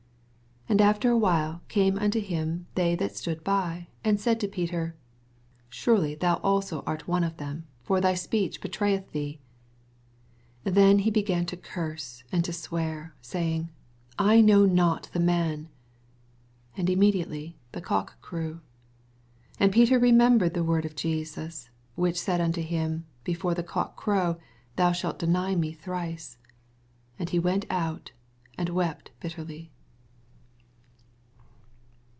78 And after a while came unto ^Mii they that stood by, and said to Peter, Surely thou also art one of them ; for thy speech bewrayeth thee. 74 Then began he to curse and to swear, aoytn^, I know not the man. And immediately the cock crew. 75 And Peter remembered the word of Jesus, which said unto him. Before the cock crow, thou shaJt deny me thrice. And he went out, and wept bitterly.